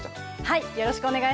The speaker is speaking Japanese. はい。